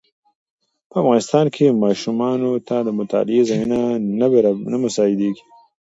په افغانستان کې ماشومانو ته د مطالعې زمینه نه مساعده کېږي.